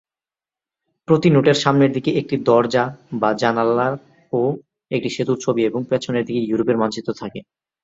প্রতি নোটের সামনের দিকে একটি দরজা বা জানালার ও একটি সেতুর ছবি এবং পেছনের দিকে ইউরোপের মানচিত্র থাকে।